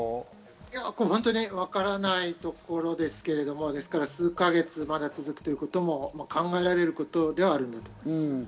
本当にわからないところですけれども、数か月まだ続くということも考えられることではあると思います。